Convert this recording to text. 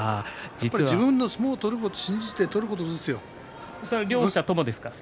自分の相撲を取ることを信じて両者ともですか？